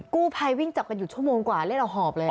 กู้ภัยวิ่งจับกันอยู่ชั่วโมงกว่าเล่นเอาหอบเลย